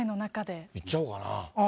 行っちゃおうかな。